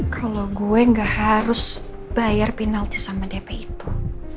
kalau gue gak harus bayar penalti sama dp itu